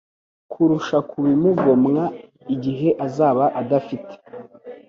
kurusha kubimugomwa. Igihe azaba adafite